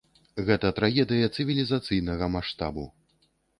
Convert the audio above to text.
Гэта трагедыя цывілізацыйнага маштабу.